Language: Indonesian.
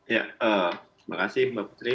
ya terima kasih mbak putri